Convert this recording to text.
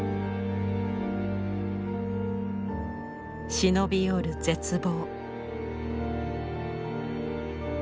忍び寄る絶望。